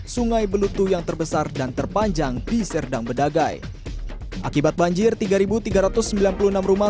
sungai belutuh yang terbesar dan terpanjang di serdang bedagai akibat banjir tiga ribu tiga ratus sembilan puluh enam rumah